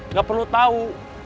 nggak perlu tahu